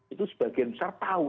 itu sebagian besar tahu